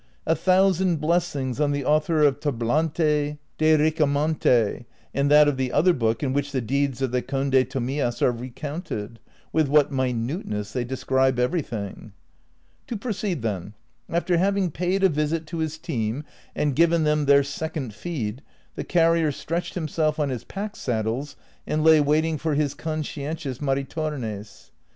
A thoiisand blessings on the author of " Tablante de Ricamonte," and that of the other book in which the deeds of the Conde Tomillas are recounted ; with what minuteness they describe everything !^ To proceed, then : after having paid a visit to his team and given them their second feed, the carrier stretched himself on his pack saddles and lay waiting for his conscientious Mari tornes.